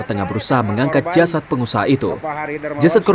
penyebab kematian pengusaha tersebut